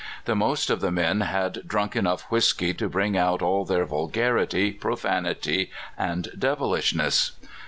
The most of the men had drunk enough whisky to bring out all their vulgarit}', pro fanity, and devilishness.